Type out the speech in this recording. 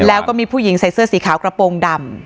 แล้วก็มีผู้หญิงใส่เสื้อสีขาวกระโปรงดำ